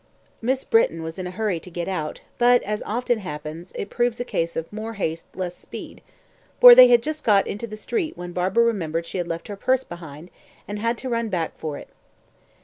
Miss Britton was in a hurry to get out; but, as often happens, it proved a case of "more haste, less speed," for they had just got into the street when Barbara remembered she had left her purse behind, and had to run back for it.